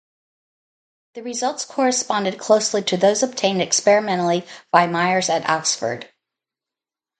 The results corresponded closely to those obtained experimentally by Myers at Oxford.